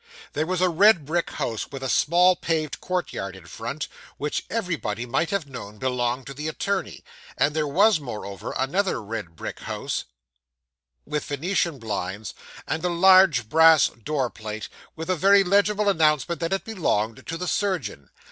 There was a red brick house with a small paved courtyard in front, which anybody might have known belonged to the attorney; and there was, moreover, another red brick house with Venetian blinds, and a large brass door plate with a very legible announcement that it belonged to the surgeon.